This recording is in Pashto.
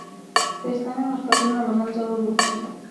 د اسلامي مرکزونو له منځه وړلو کې.